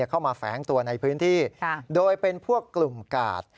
แฝงตัวในพื้นที่โดยเป็นพวกกลุ่มกาด